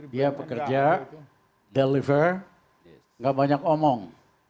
dia pekerja deliver nggak banyak omong